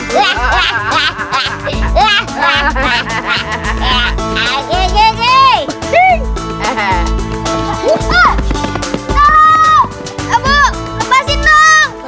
tolong abu lepasin dong